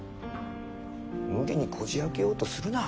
無理にこじあけようとするな。